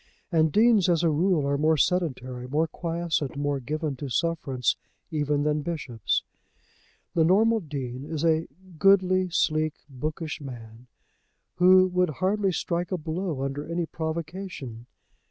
And deans as a rule are more sedentary, more quiescent, more given to sufferance even than bishops. The normal Dean is a goodly, sleek, bookish man, who would hardly strike a blow under any provocation.